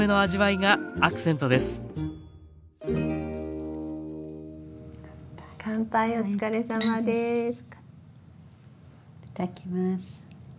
いただきます。